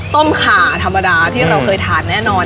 ขาธรรมดาที่เราเคยทานแน่นอน